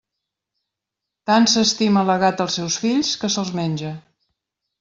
Tant s'estima la gata els seus fills, que se'ls menja.